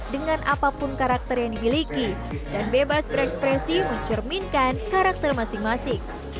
dengan apapun karakter yang dimiliki dan bebas berekspresi mencerminkan karakter masing masing